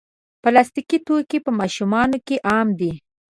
پلاستيکي توکي په ماشومانو کې عام دي.